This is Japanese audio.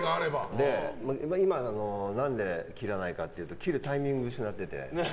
今、何で切らないかというと切るタイミングを失ってて。